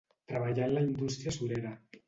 Treballà en la indústria surera.